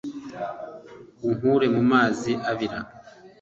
unkure mu mazi abira